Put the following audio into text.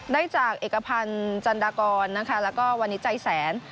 ได้จากเอกพันธ์จันดากรนะคะแล้วก็วันนี้ใจแสน